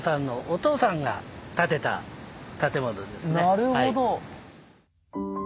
なるほど。